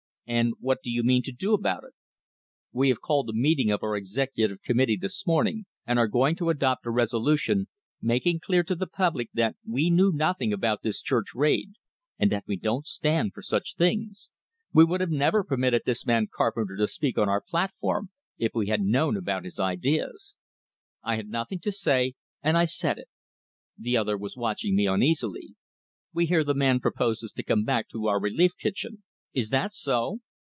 "And what do you mean to do about it?" "We have called a meeting of our executive committee this morning, and are going to adopt a resolution, making clear to the public that we knew nothing about this church raid, and that we don't stand for such things. We would never have permitted this man Carpenter to speak on our platform, if we had known about his ideas." I had nothing to say, and I said it. The other was watching me uneasily. "We hear the man proposes to come back to our relief kitchen. Is that so?"